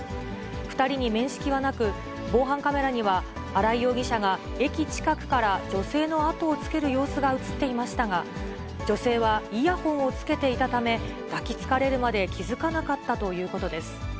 ２人に面識はなく、防犯カメラには、荒井容疑者が駅近くから女性の後をつける様子が写っていましたが、女性はイヤホンをつけていたため、抱きつかれるまで気付かなかったということです。